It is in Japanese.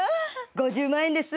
５０万円です。